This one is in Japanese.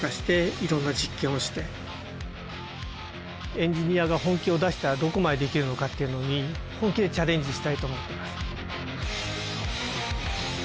エンジニアが本気を出したらどこまでできるのかっていうのに本気でチャレンジしたいと思ってます。